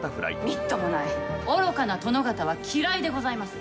みっともない愚かな殿方は嫌いでございます。